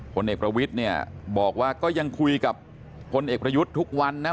ผลเอกประวิทย์เนี่ยบอกว่าก็ยังคุยกับพลเอกประยุทธ์ทุกวันนะ